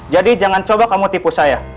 jadi jangan coba kamu tipu saya